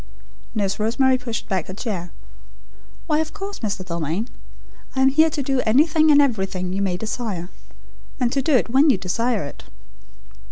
Nurse Rosemary pushed back her chair. "Why of course, Mr. Dalmain. I am here to do anything and everything you may desire; and to do it when you desire it."